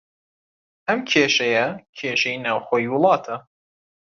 ئەم کێشەیە، کێشەی ناوخۆی وڵاتە